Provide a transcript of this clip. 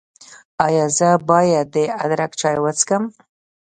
ایا زه باید د ادرک چای وڅښم؟